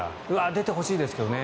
出てほしいですけどね。